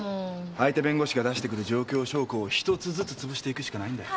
相手弁護士が出してくる状況証拠を１つずつつぶしていくしかないんだよ。